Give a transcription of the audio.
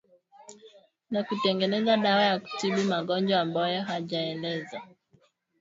na kutengeneza dawa za kutibu magonjwa ambayo hajaeleza